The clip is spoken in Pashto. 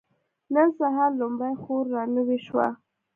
نن سهار لومړۍ خور را نوې شوه.